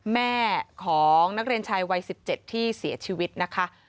แม่ของนักเรียนชายวัย๑๗ที่เสียชีวิตนะคะ